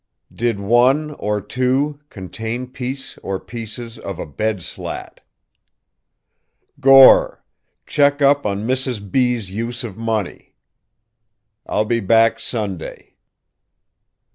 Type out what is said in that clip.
Did one, or two, contain piece or pieces of a bed slat? "Gore: check up on Mrs. B.'s use of money. "I'll be back Sunday."